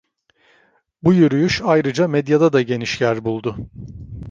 Bu yürüyüş ayrıca medyada da geniş yer buldu.